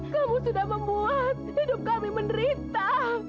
kamu sudah membuat hidup kami menderita